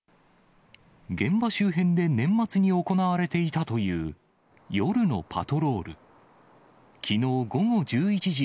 現場周辺で年末に行われていたという夜のパトロール。